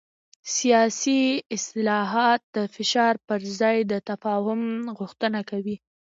سیاسي اصلاحات د فشار پر ځای د تفاهم غوښتنه کوي